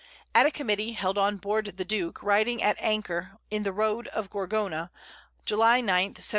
At a Committee held on board the Duke, riding at Anchor in the Road of Gorgona, July 9, 1709.